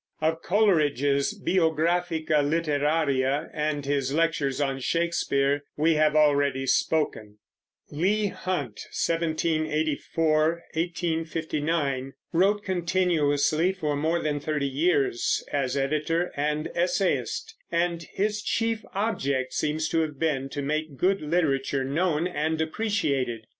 Of Coleridge's Biographica Literaria and his Lectures on Shakespeare we have already spoken. Leigh Hunt (1784 1859) wrote continuously for more than thirty years, as editor and essayist; and his chief object seems to have been to make good literature known and appreciated.